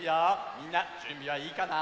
みんなじゅんびはいいかな？